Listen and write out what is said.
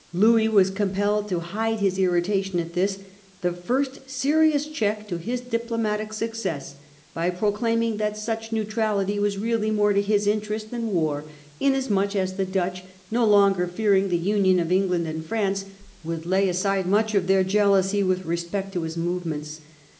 Louis was compelled to hide his irritation at this, the first serious check to his diplomatic success, by proclaiming that such neutrality was really more to his interest than war, inas much as the Dutch, no longer fearing the union of Eng land and France, would lay aside much of their jealousy with respect to his movements.